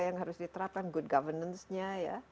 yang harus diterapkan good governance nya ya